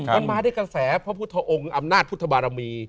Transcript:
มันมาด้วยกระแสพระพุทธองค์อำนาจพุทธบารมี